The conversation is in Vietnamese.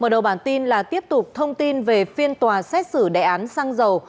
mở đầu bản tin là tiếp tục thông tin về phiên tòa xét xử đề án xăng dầu